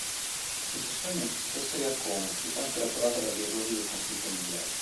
Successivamente si trasferì a Como, città ancora provata dagli orrori del conflitto mondiale.